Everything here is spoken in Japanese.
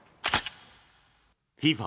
ＦＩＦＡ